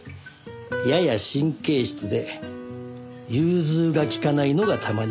やや神経質で融通が利かないのが玉に瑕。